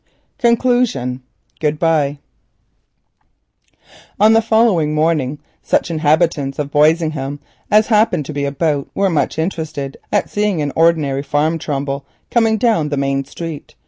CONCLUSION GOOD BYE On the following morning such of the inhabitants of Boisingham as chanced to be about were much interested to see an ordinary farm tumbrel coming down the main street.